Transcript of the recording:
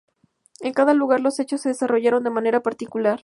En cada lugar los hechos se desarrollaron de manera particular.